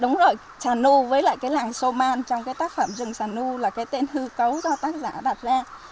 đúng rồi sà nu với lại cái làng sô man trong cái tác phẩm rừng sà nu là cái tên hư cấu do tác giả đặt ra